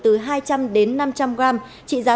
từ hai trăm linh đến năm trăm linh gram trị giá